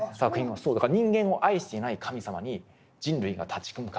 だから人間を愛していない神様に人類が立ち向かうという。